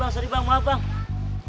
sari bang maaf bang